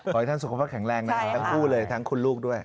ขอให้ท่านสุขภาพแข็งแรงนะทั้งคู่เลยทั้งคุณลูกด้วย